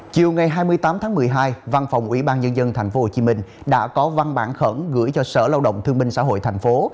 chiều ngày hai mươi tám tháng một mươi hai văn phòng ủy ban nhân dân tp hcm đã có văn bản khẩn gửi cho sở lao động thương minh xã hội tp hcm